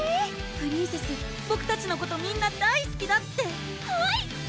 プリンセスボクたちのことみんな大すきだってはい！